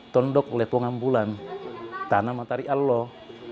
tondok lepungambulan tanah matari allah